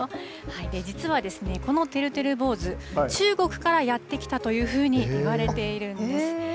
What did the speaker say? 実はですね、このてるてる坊主、中国からやって来たというふうにいわれているんです。